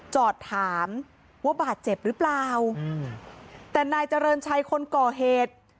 จอดถามว่าบาดเจ็บหรือเปล่าแต่นายเจริญชัยคนก่อเหตุ